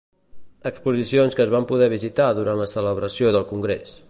Exposicions que es van poder visitar durant la celebració del congrés.